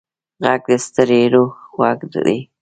غږ د ستړي روح غږ دی